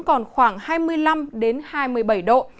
còn khoảng hai mươi năm hai mươi bảy độ